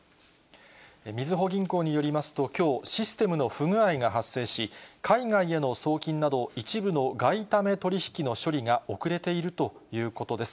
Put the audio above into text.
みずほ銀行によりますと、きょう、システムの不具合が発生し、海外への送金など、一部の外為取り引きの処理が遅れているということです。